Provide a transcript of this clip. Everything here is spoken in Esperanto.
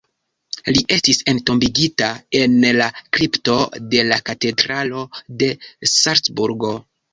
Li estis entombigita en la kripto de la Katedralo de Salcburgo.